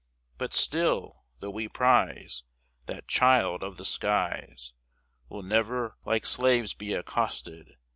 But still, though we prize That child of the skies, We'll never like slaves be accosted.